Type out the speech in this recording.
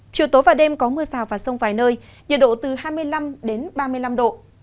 chiều tối và đêm có mưa rào và sông vài nơi nhiệt độ từ hai mươi năm đến ba mươi năm độ